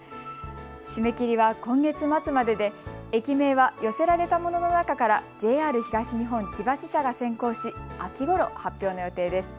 締め切りは今月末までで駅名は寄せられたものの中からＪＲ東日本千葉支社が選考し秋ごろ発表の予定です。